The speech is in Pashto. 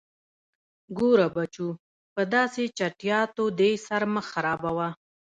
_ګوره بچو، په داسې چټياټو دې سر مه خرابوه.